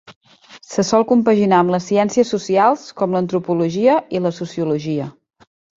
Se sol compaginar amb les ciències socials, com l'antropologia i la sociologia.